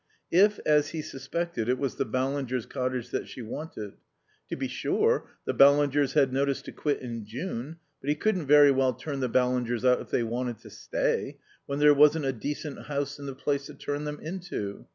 If, as he suspected, it was the Ballingers' cottage that she wanted. To be sure, the Ballingers had notice to quit in June, but he couldn't very well turn the Ballingers out if they wanted to stay, when there wasn't a decent house in the place to turn them into.